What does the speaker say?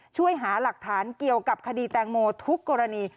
ช่วยหาหลักฐานเกี่ยวกับคดีแตงโมทุกกรณี